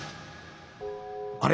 あれ？